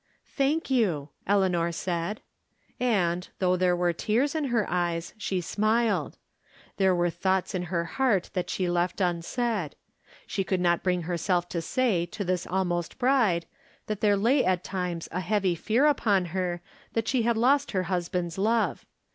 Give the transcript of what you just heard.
" Thank you," Eleanor said. And, though there were tears in her eyes, she smiled. There were thoughts in her heart that she left unsaid. She could not bring herself to say to this almost bride that there lay at times a heavy fear upon her that she had lost her husband's love.